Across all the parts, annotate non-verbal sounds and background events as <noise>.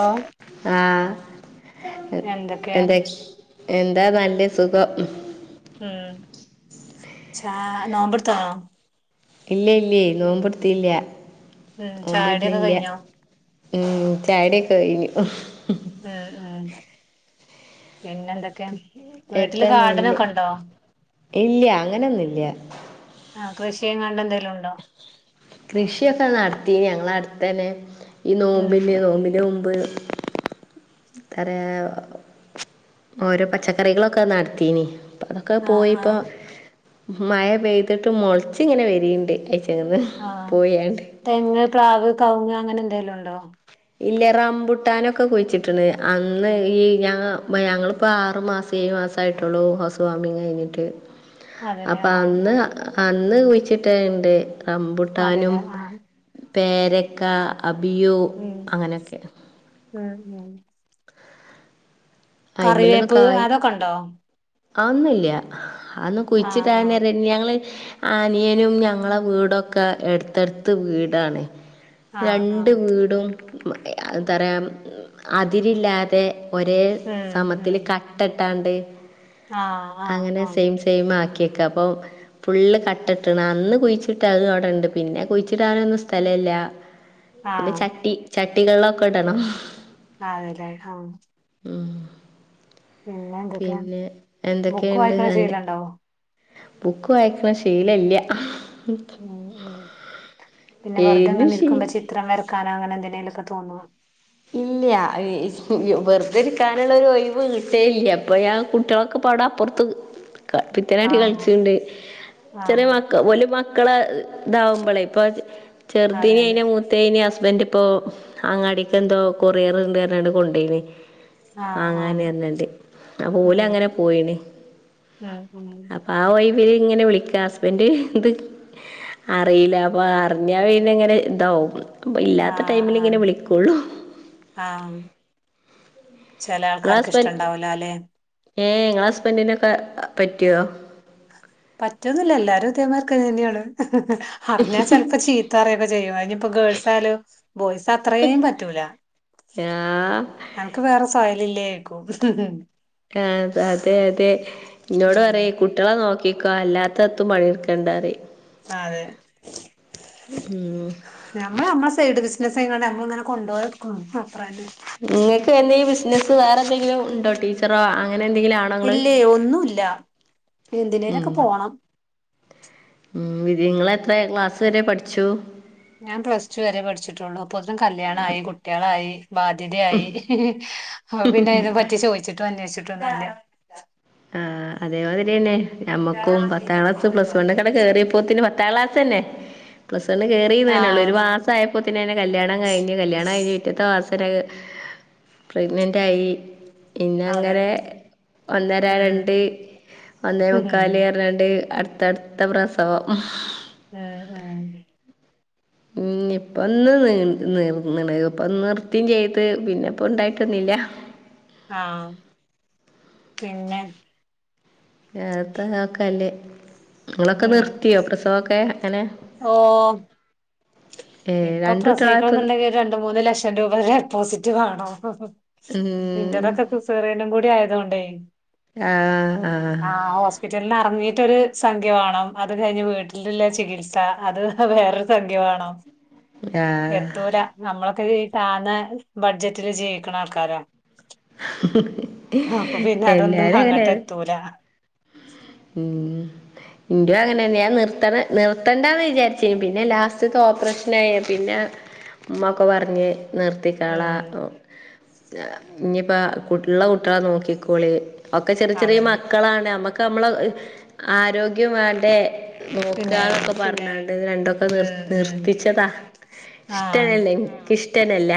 ആ എന്തൊക്കെ ആഎന്താ എന്താ നല്ല സുഖം ഉംഛ നവംമ്പർത്തോറോ ഇല്ല ഇല്ലേ നോമ്പടുത്തിയില്ല ഉം ഓൻമ്പ് ചായുടിയൊക്കെ ഇരുന്നില്ല കഴിഞ്ഞോ ഉ ചാടിയൊക്കെ കയിഞ്ഞു ഉ ഉ വീട്ടില് എത്ര നല്ല ഗാർഡനൊക്കെ ഉണ്ടോ ഇല്ല അങ്ങനെയൊന്നുംല്ല ആ കൃഷിയും കണ്ട എന്തെങ്കലും ഉണ്ടോ കൃഷിയൊക്കെ നടത്തി ഞങ്ങള അടുത്ത തന്നെ ഈ ഉം നോമ്പിന നോമ്പിന ബ തറ ഓരോ പച്ചക്കറികളൊക്കെ നടത്തീന് അതൊക്കെ ആ ആ പോയിപ്പോ മഴ പെയ്തിട്ട് മുളച്ച് ഇങ്ങനെ വരിയണ്ട് ആഹ തെങ്ങ് പ്രാവ് കവങ്ങ് അങ്ങനെ എന്തെലും ഉണ്ടോ ഇല്ല റംമ്പുട്ടാനൊക്കെ കുഴിച്ചിട്ടുണ്ട് അന്ന് ഈ ഞ ഞങ്ങിപ്പോ ആറു മാസം സ മാസ ആമായിട്ടുള്ളൂ ഹൗസ് വാമിംഗ് കഴിഞ്ഞിട്ട് അതെല്ലേ അപ്പ ആ ആ അന്ന് അന്ന് കുഴിച്ചിട്ട ഇണ്ട് റമ്പുട്ടാനും അതെല്ലേ ആ പേരക്ക അബിയു ഉം അങ്ങനൊക്കെ ഉം ഉം കറിവേപ്പ് അതൊക്കെ ഉണ്ടോ ആ ഒന്നില്ല അന്ന് ആ കുഴിച്ചിട്ട ആ ആന ഞങ്ങള് ആനിയനും ഞങ്ങളെ വീടൊക്കെ എടുത്തെടുത്ത് വീടാണ് ആ ആ രണ്ട് വീടും എന്താ പറയാ അതിരില്ലാതെ ഒരേ ഉം ഉം സമത്തില് കട്ടട്ടാണ്ട് ആ ആ അങ്ങനെ ആ സെയിം സെയിം ആക്കിയക്ക അപ്പൊ ഫുള് കട്ടിട്ടണ് അന്ന് കുഴിച്ചിട്ട് അത് അവിടെണ്ട് പിന്നെ കുഴിച്ചിട്ട് ആനൊന്നും സ്ഥലല്ല ആ പിന്നെ ചട്ടി ചട്ടികളിലൊക്കെ ഇടണം അതെല്ലേ ആഹ ആ പിന്നെ എന്തൊക്കെയാണ് എന്തൊക്കെയുണ്ട് നല് ബുക്ക് വായിക്കണ ശീലല്ല ഉം ഉം പിന്നെ വറുതെങ്ങെ ഏനും ശീ ഇരിക്കുമ്പോ ചിത്രം വരക്കാനോ അങ്ങനെ എന്തെേങ്കിലൊക്കെ തോന്നോ ഇല്ല വെറുതെടുക്കാനുള്ളരു ഒഴിവ് കിട്ടേ ഇല്ല അപ്പൊ കുട്ടികളൊക്കെ പടപ്പറത്ത പിത്തനാട്ടി ആഹ് കളിച്ചുണ്ട് ചെറിയ ആഹ് മക്ക വലിയ മക്കളെ ഇതാവുമ്പോളേ ഇപ്പൊ അതെ ചെറുതീനി അതെ അയി മൂത്തന് ഹസ്ബൻഡ് ഇപ്പോ അങ്ങാടി എന്തോ കൊററന്താണ് കൊണ്ടേെ ആഹ് ആഹ് വാങ്ങാന് വരുന്നിണ്ട് അപ്പ ഓല് അങ്ങനെ പോയിണ് ആഹ് ഉം ഇവര് ഇങ്ങനെ വിളിക്ക്യ ഹസ്ബൻഡ് ഇന്ത് അറിയില്ല അപ്പൊ അറിഞ്ഞാ പിന്നെ ഇങ്ങനെ ഇതാവും അപ്പ ഇല്ലാത്ത ആഹ് ടൈമിൽ ഇങ്ങനെ ആഹ് വിളിക്കും ആഹ് ചെല ആൾക്കാർക്ക് ഇഷ്ടുണ്ടാവൂല അല്ലെ ഏഹ് ഇങ്ങള ഹസ്ബൻഡിനൊക്കെ പറ്റിയോ പറ്റന്നില്ല എല്ലാരും ഇതേമാരിക്ക തന്നെയാണ് അറിഞ്ഞാൽ ചെലപ്പോ ചീത്ത പറയൊക്കെ ചെയ്യും അതിനി ഇപ്പ ഗേൾസായാലും ബോയ്സ് അത്രയും പറ്റൂല <inaudible> എനക്ക് വേറെ സൊയലില്ലേക്കൂ ആഹ് അത് അതെ അതെ എന്നോട് ഉം പറയ്യേ കുട്ടികളെ നോക്കി ക്കോ അല്ലാത്തെത്തും പണിയെടുക്കണ്ടാറയും അതെ ഉം നമ്മള് നമ്മളെ സൈഡ് ബിസി ചില സയങ്ങളെ നമ്മളിങ്ങനെ കൊണ്ടുപോയെടുക്കും അത്രന്നെ നിങ്ങൾക്ക് എന്തെങ്കിലും ബിസിനസ്സ് വേറെ എന്തെങ്കിലും ഉണ്ടോ ടീച്ചറോ അങ്ങനെ എന്തെങ്കിലും ആണോ നിങ്ങള് ഇല്ലേ ഒന്നുമില്ല ഉം എന്തിനേലൊക്കെ പോണം ഉം നിങ്ങളെ എത്രയെ ക്ലാസ് വരെ പഠിച്ചു ഞാൻ പ്ലസ് ടു വരെ പഠിച്ചിട്ടുള്ളു അപ്പൊത്തിനും കല്യാണായി കുട്ടികളായി ബാധ്യതയായി അപ്പൊ പിന്നെ ഇതിനെ പറ്റി ചോദിച്ചിട്ടും അന്വഷിച്ചിട്ടൊന്നുല്ല ആഹ് അതേമാതിരി തന്നെ നമ്മക്കും പത്താം ക്ലാസ് പ്ലസ് വണ്ണക്കങ്ങണ്ട് കേറിയപ്പോത്തിനും പത്താം ക്ലാസ് തന്നെ പ്ലസ് വൺ കേറിന്നെന്നെയുള്ളൂ ഒരു ആഹ് മാസം ആയപ്പോത്തിനന്നെ കല്യാണം കഴിഞ്ഞു കല്യാണം കഴിഞ്ഞു പിറ്റത്തെ മാസന്നെ പ്രഗ്നന്റ് ആയി അതെ പിന്നങ്ങനെ ഒന്നര ഉം രണ്ട് ഒന്നേ മുക്കാൽ ഉം പറഞ്ഞണ്ട് അടുത്തടുത്ത പ്രസവം ആഹ് ആഹ് ഉം ഇപ്പന്ന് നി നിർന്നിന് നിർത്തി ചെയ്ത് പിന്നെ ഇപ്പ ഉണ്ടായിട്ടൊന്നില്ല ല്ല ആഹ് പിന്നെ <unintelligible> നിങ്ങളൊക്കെ ഉം നിർത്തിയോ പ്രസവൊക്കെ അങ്ങനെ ഓ ഏ ഇപ്പൊ രണ്ട് പ്രസവിക്കണം കുട്ടികളായപ്പോൾ എന്നുണ്ടെങ്കിൽ രണ്ടു മൂന്ന് ലക്ഷം രൂപയുടെ ഡെപ്പോസിറ്റ് വേണം ഇന്റതൊക്കെ സിസേറിയനും കൂടി ആയതുകൊണ്ടേ ആ ആ ആഹ് ഹോസ്പിറ്റലിലാ അങ്ങീട്ടൊരു സംഖ്യ വേണം അത് കഴിഞ്ഞ് വീട്ടിലുള്ള ചികിത്സ അത് വേറൊരു സംഖ്യ വേണം ആ എത്തൂല നമ്മളൊക്കെ താന്ന ബഡ്ജറ്റില് ജീവിക്കണ ആൾക്കാരാ ആഹ് അപ്പൊ പിന്നെ അതൊന്നും എല്ലാവരും അങ്ങോട്ട് അങ്ങനെ എത്തൂല ഉം ഇന്റെ അങ്ങനെന്നെയ ഞാൻ നിർത്തണ് നിർത്തണ്ടാന്ന് വിചാരിച്ച് പിന്നെ ലാസ്റ്റത്തെ ഓപ്പറേഷനായെ പിന്നെ ഉമ്മ ഒക്കെ പറഞ്ഞ് നിർത്തിക്കാള ഉം <unintelligible> ഇനിയിപ്പ ഇള്ള കുട്ടികളെ നോക്കിക്കോളി ഒക്കെ ചെറിയ ചെറിയ അതന്നെ മക്കളാണ് നമ്മുക്ക് നമ്മള ആരോഗ്യം വേണ്ടേ പിന്നെ നോക്കാന്നൊക്കെ പറഞ്ഞാണ്ട് രണ്ടൊക്കെ നിർ ഉം ഉം നിർത്തിച്ചതാ ഇഷ്ടല്ല ആഹ് എനക്കിഷ്ടന്നെല്ല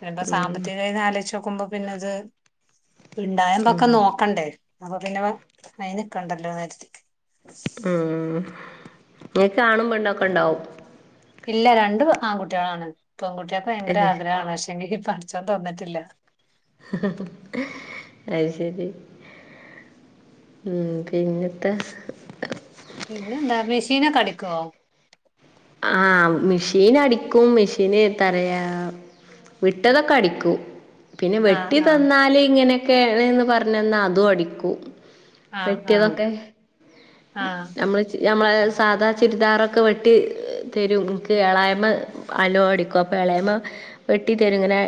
പിന്നെ ഉം സാമ്പത്തികമായി ആലോയിച്ച് നോക്കുമ്പോ പിന്നെത് ഉം ഇണ്ടായമ്പക്കം നോക്കണ്ടേ അപ്പൊ പിന്നെ വ അയിന് നിൽക്കണ്ടല്ലോന്ന് കരുതി ഉം ഇനി കാണും പെണ്ണൊക്കെ ഇണ്ടാവും ഇല്ല രണ്ട് ആൺകുട്ടികളാണ് പെൺകുട്ടിയാക്ക് ഭയങ്കര അത് ആഗ്രഹണ് പക്ഷെ കി പഠച്ചോൻ തന്നിട്ടില്ല അത് ശരി ഉ പിന്നത്തെ പിന്നെ എന്താ മെഷീനൊെടിക്കുവോ ആ മെഷീൻ അടിക്കും മെഷീന് ന്ത പറയാ വിട്ടതൊക്കടിക്കൂ പിന്നെ വെട്ടി ആഹ് ആഹ് തന്നാല് ഇങ്ങനെയൊക്കെയന്ന് പറഞ്ഞന്നാൽ അതും അടിക്കൂ ആഹ് ആഹ് വെട്ടിയതൊക്കെ ആഹ് നമ്മള് നമ്മളെ സാധാ ചുരിദാറൊക്കെ വെട്ടി തരും ഇളയ അമ്മ എല്ലാംഅടിക്കുംഅപ്പൊ ഇളയമ്മ വെട്ടി തരൂ ഇങ്ങനെ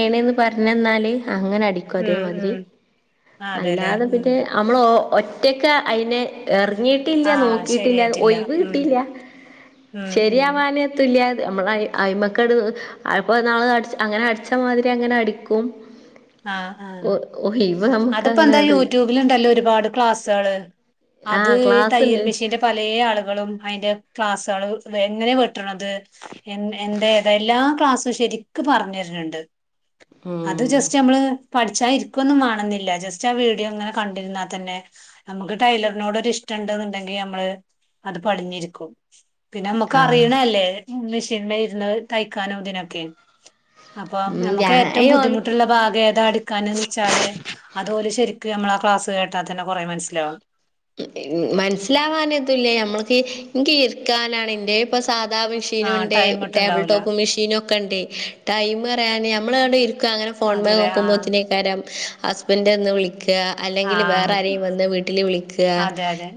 േനന്ന് പറഞ്ഞഞ് തന്നാല് അങ്ങനെ അടിക്കും ഉം അതേമാതിരി ഉം ആഹ് അതെല്ലേ അല്ലാതെ ഉം പിന്നെ നമ്മള ഒറ്റക്ക അയിെനെ എറിഞ്ഞിട്ടില്ല ആഹ് നോക്കിട്ടില്ല ശരിയായിട്ടില്ല ഒഴവ് ഉം കിട്ടില്ല - ഉം ഉം ശരിയാവാന്ത്ത... നമ്മള അയി്മക്കട് അപ്പോ നാള അട അങ്ങനെ അടിച്ച മാതിരി അങ്ങനെ അടിക്കും ആ ആ ഒ ഒഴിവ് നമുക്ക് അതിപ്പോ എന്താ അങ്ങനെട് യൂട്യൂബിൽ ഉണ്ടല്ലോ ഒരുപാട് ക്ലാസ്സുകള് ആഹ് അത്ഈ തയ്യൽ ക്ലാസ്ണ്ട് മെഷീന്റെ പല ആളുകളും അതിറെ ക്ലാസ്സുകൾ എങ്ങനെ വെട്ടണത് എ എന്ത ഏതാ എല്ലാ ക്ലാസ്സും ശരിക്കും പറഞ്ഞരുന്നു ഉണ്ട് ആ പഠിച്ചാരിക്കൊന്നുംണില്ല ജസ്റ്റ് ആ വീിയോകണ്ടിരിന്നാതന്നെ നമക്ക് ടോട് ഇഷ്ടണ്ടെന്നുണ്ടെങ്കി നമ്മള് അത് പടിഞ്ഞിരിക്കും പിന്നെ നമ്മുക്ക് ആഹ് അറിയണ അല്ലേ മെഷീന ഇരുന്ന് തയ്ക്കാനോ ഇതിനൊക്കെ അപ്പൊ ഉം നമുക്ക് ഏറ്റവും ഞാൻ ബുദ്ധിമുട്ടുള്ള ഭാഗം ഏതാ അടുക്കാൻന്ന് വെച്ചാല് അതുപോലെ ശരിക്കും നമ്മ ആ ക്ലാസ് കേട്ടാൽന്നെ കുറേ മനസ്സിലാവും മനസ്സിലാവാൻതല്ലേ നമ്മൾക്ക് കീർക്കാനാണ് എന്റെ സാധാ മെഷീന ആ ഉണ്ട് ടൈം ടേബിൾ ഇട്ടുണ്ടാവൂല ടോപ്പ് മെഷീനുംനൊക്കെ ഉണ്ട് ടൈം പറയാന് നമ്മളടെ ഇ അനെ ഫോൺ അതല്ലേ ആ നോക്കുമ്പോനേക്കാര്ം ഹസ്ബൻഡ വിളിക്ക ആ അല്ലെങ്കിൽ വേറെ ആരെയും വന്ന് വീട്ടിൽ വിളിക്ക അതെ അതെ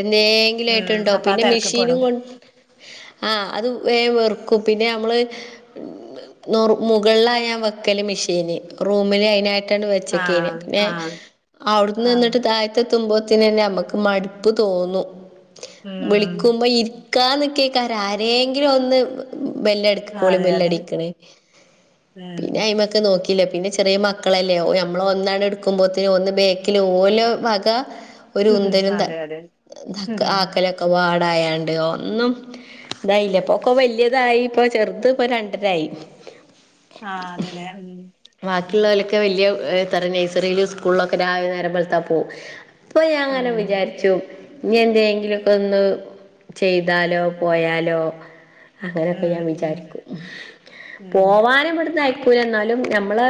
എന്തെങ്കിലുംയിട്ട ഉം ഉണ്ടോ അപ്പൊ ആ പിന്നെ തിരക്ക് മെഷീനും പെടും കൊ ആ അത് വേ വെറുക്കും പിന്നെ നമ്മള് മുകള ഞാൻ വെക്കല് മെഷീന് റൂമില് അതിന ആ വച്ചക്കെ ആ അവിന്ന് ആ നിന്നിട്ട് താഴത്തെത്തുമ്പോ ന്നെ നമക്ക് മടുപ്പ് തോന്നും ഉം വിളിക്കുമ്പോ ഇരിക്കാ കേക്കാര ആരെങ്കിലും ഒന്ന് ബെല്ലട അതെ അതെ കോളിബല്ലടിക്കണേ ഉം പിന്നെ അയിമക്കെ നോക്കി ല്ല പിന്നെ ചെറിയ മക്കളല്ലേ നമ്മ ഒന്നാണ് എടുക്കുമ്പോത്തനന് ഒന്ന് ബേക്കില് ഓലോ വക ഒരു ഉന്തരും അതെ അതെ ആക്കലൊക്കെ പാടായണ്ട് ഒന്നും ഇതായില്ല ഇപ്പൊക്ക വലിയതായി ഇപ്പൊ ചെറുത് ഇപ്പൊ രണ്ടരായി ആ അതെല്ലേ ഉ മറ്റുള്ളവലൊക്കെ വലിയ ത നഴ്സറിയിലും സ്കൂളിലൊക്കെ രാവിലെ നേരം വെലത്താ പോവും അപ്പൊ ഞാൻ ഉം അങ്ങനെ വിചാരിച്ചു ഇനി എന്തെങ്കിലുക്കെ ഒന്ന് ചെയ്താലോ പോയാലോ അങ്ങനെയൊക്കെ ഞാൻ ഉം വിചാരിക്കും ഉം പോവാനും ഇവിടുന്ന് അയിക്കൂല എന്നാലും ഞമ്മള്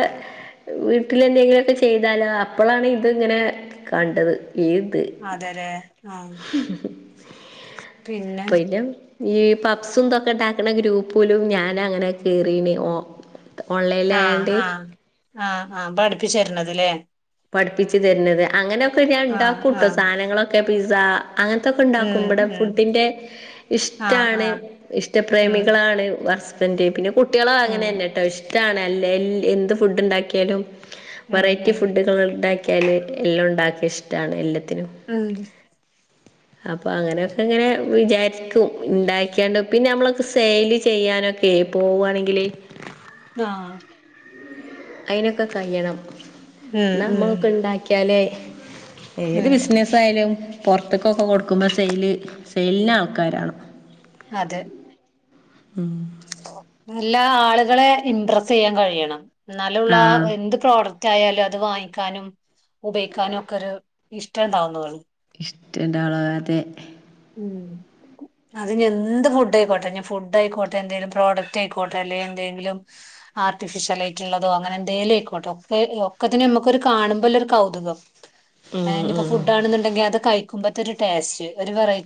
വീട്ടില എന്തെങ്കിലുംക്കെ ചെയ്താലോ അപ്പോഴാണ് ഇത് ഇങ്ങനെ കണ്ടത് ഇത് അതെലെ ആ പിന്നെ പയിന്ന ഈ പബ്സുംന്തൊക്കെ ഉണ്ടാക്കണ ഗ്രൂപ്പലും ഞാന അങ്ങനെ കേയറീണേ ഓ ഓൺലൈനൽ ആയാണ്ടേ ആപഠിപ്പിച്ച തരണതലേ പഠിപ്പിച്ച് തരുന്നത് അങ്ങനെയൊക്കെ ആ ആ ഉണ്ടാക്കുംട്ടോ സാധനങ്ങളൊക്കെ പിസ്സ അങ്ങനത്തൊക്കെ ഉണ്ടാക്കും ഇപടെ ഉം ഉം ഫുഡിന്റെ ആ ആ ഇഷ്ടാണ് ഉം ഇഷ്ടപ്രേമികളാണ് ബന്റ് പിന്നെ കുട്ടികളോ ഉം അങ്ങനെന്നെ ട്ടോ ഇഷ്ടാണ് അല്ല എന്ത് ഫുഡ് ഉണ്ടാക്കിയാലും ഉം ഉം ഫുഡുക ഉണ്ടാക്കിയാൽ എല്ലാം ഉണ്ടാക്കിയ ഇഷ്ടമാണ് എല്ലാും ഉം അപ്പൊ അങ്ങനെയൊക്കെ ഇങ്ങനെ വിചാരിക്കും ഇണ്ടാക്യാണ്ട് പിന്നെ നമ്മളൊക്കെ സെയില് ചെയ്യാനൊക്കെ പോവാണെങ്കില് ആഹ അയിനൊക്കെ കഴിയണം ഉം ഉം നമ്മളൊക്കെ ഉണ്ടാക്കിയാലേ ഏത് ഉം ബിസിനസ് ആയാലും പുറ റത്തക്കൊക്കെ കൊടുക്കുമ്പോ സെയില് സെയിലിനാൾക്കാരാണം അതെ ഉം നല്ല ആളുകളെ ഇംപ്രസ് ചെയ്യാൻ കഴിയണം എന്നാലള്ളു ആഹ് എന്ത് പ്രോഡക്ട് ആയാലും അത് വാങ്ങിക്കാനും ഉപയോഗിക്കാനും ഒക്കെ ഒരു ഇഷ്ടണ്ടാവുന്നത ഇഷ്ട <unintelligible> ഉം അത് എന്ത് ഫുഡ് ആയിക്കോട്ടെ ഞാൻ ഫുഡ് ആയിക്കോട്ടെ എന്തെങ്കിലും പ്രോഡക്റ്റ് ആയിക്കോട്ടെ അല്ലെങ്കിൽ എന്തെങ്കിലും ആർട്ടിഫിഷ്യൽ ആയിട്ടുള്ളതോ അങ്ങനെ എന്തേങ്കിലും ആഴിക്കോട്ടോ ഒക്കെ ഒക്കതിന് നമുക്കൊരു കാണുമ്പോ ഒരു കൗതുകം ഉം ഉം ഫുഡ് ആണെന്നണ്ടെങ്കി അത് കഴിക്കുമ്പോത്തെന്നെ ഒരു ടേസ്റ്റ് ഒരു വെറൈറ്റി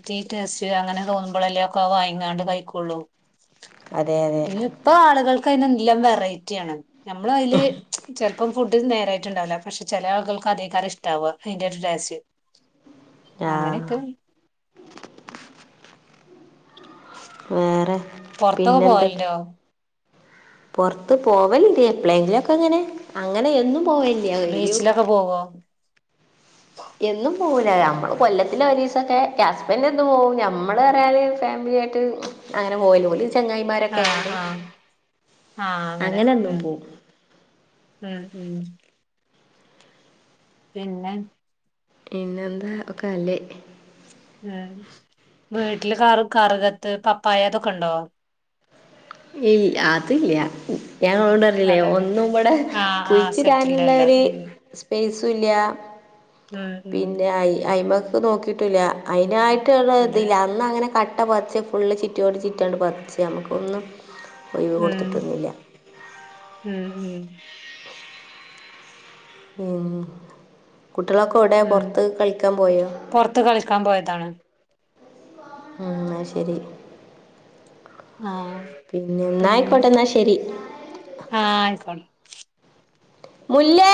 അങ്ങനെ തോന്നുമ്പോളെല്ലേ ഒക്കെ വാങ്ങിക്കാണ്ട് കഴിക്കൊള്ളൂ അതെ അതെ ഇ ഇപ്പ ആളുകൾക്ക് അതിന് എല്ലാം വെറൈറ്റി ആണ് നമ്മള് അതില് ചിലപ്പം ഫുഡ് നേര ണ്ടാവില്ല പക്ഷെ ചില ആളുകൾക്ക് അദെകാരം ഇഷ്ടാവുക അതിന്റെ ഒരു ടേസ്റ്റ് അങ്ങനെ ആഹ് ഇക്ക് വേറെ പുറത്തൊക്കെ പിന്നെന്തൊക്കെ പോവലുണ്ടോ പുറത്ത് പോവലുണ്ട് എപ്പളെങ്കിലുക്കെ എങ്ങനെ അങ്ങനെയ എന്നും പോയല്യ കയ്ഞ്ഞു ബീച്ചിലൊക്കെ പോവോ എന്നും പോവൂല നമ്മള് കൊല്ലത്തില് ഒരു ദിവസൊക്കെ ഹസ്ബൻ്റ് എന്നും പോവും നമ്മള് പറയാ ഫാമിലി ട്ട് അങ്ങനെ പോല ആഹ് ചെങ്ങായിമാരൊക്കെണ്ട് ആഹ് ആഹ് അങ്ങനെ എന്നും ഉം പോം ഉം ഉം പിന്നെ പിന്നെന്താ ഒക്കെ നല്ലേ ഉം വീട്ടില് കറ കറുകത്ത് പപ്പായ അതൊക്കെ ഉണ്ടോ ഉം അതില്ല ഞാൻ ഇങ്ങളോട് പറഞ്ഞില്ലെ അതെ അതെ ഒന്നും ഇവിടെ ആഹ് ആഹ് സെറ്റിൽഡ് കുയ്ച്ചിടാനുള്ള അല്ല ഒരു ഉം സ്പേസ് ഉം ഉം പിന്നെ അയ്മക്ക് നോക്കിട്ടില്ല അയിനായിട്ട് ച അതെ ഇതില്ല അന്ന് അങ്ങനെ കട്ട പതിച് ഫുള്ള് ചിറ്റോഡ് ചിറ്റും പറിച്ച് നമുക്ക് ഒന്നും ഒഴിവ് ഉം കൊടുത്തിട്ടൊന്നില്ല ഉം ഉം ആ കുട്ടികളൊക്കെ എവിടെ ഉം പൊറത്ത് കളിക്കാൻ പോയോ പൊറത്ത് കളിക്കാൻ പോയതാണ് ഉം അയ്ശരി ആ പിന്നെ ആയിക്കോട്ടെ എന്നാൽ ശരി ആ ആയിക്കോട്ടെ മുല്ലേ